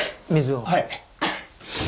はい。